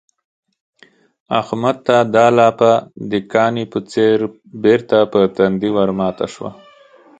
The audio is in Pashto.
احمد ته دا لاپه د کاني په څېر بېرته پر تندي ورماته شوه.